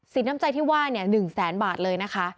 สินน้ำใจที่ว่าเนี่ยหนึ่งแสนบาทเลยนะคะ